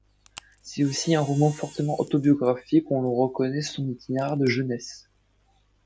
C'est aussi un roman fortement autobiographique où l'on reconnaît son itinéraire de jeunesse.